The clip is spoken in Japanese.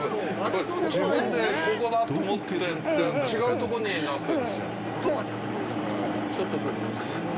自分で、ここだと思って、違うところになってるんですよ。